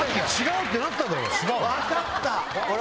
分かった！